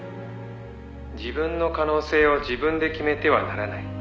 「自分の可能性を自分で決めてはならない」